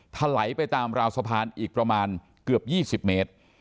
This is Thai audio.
ไหลไปตามราวสะพานอีกประมาณเกือบ๒๐เมตร